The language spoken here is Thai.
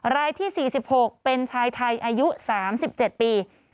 รายที่๔๖เป็นชายไทยอายุ๓๗ปี